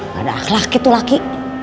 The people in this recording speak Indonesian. nggak ada akhlak itu laki